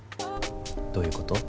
どういうこと？